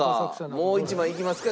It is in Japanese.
もう一枚いきますか？